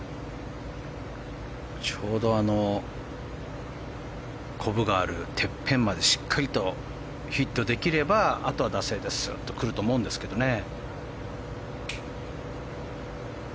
ちょうど、こぶがあるてっぺんまでしっかりとヒットできればあとは惰性でスッと来ると思うんですけどね。